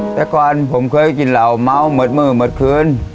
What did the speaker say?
แต่ก่อนผมเคยกินเหล่าเมาหมดมือหมดคืน